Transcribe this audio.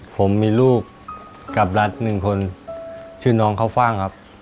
ผมมีลูกกับรัฐหนึ่งคนชื่อน้องข้าวฟ่างครับ